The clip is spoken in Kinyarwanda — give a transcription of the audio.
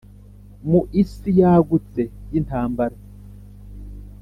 mu isi yagutse y'intambara,